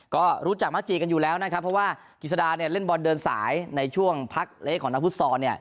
ก็รู้จักมักจีกันอยู่แล้วนะครับเพราะว่ากิจสดาเนี่ยเล่นบอลเดินสายในช่วงพักเละของนักฟุตซอลเนี่ย